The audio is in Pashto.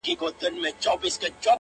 د تسپو دام یې په لاس کي دی ښکاریان دي -